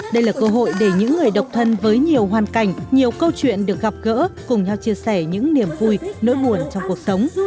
đây là cơ hội để những người độc thân với nhiều hoàn cảnh nhiều câu chuyện được gặp gỡ cùng nhau chia sẻ những niềm vui nỗi buồn trong cuộc sống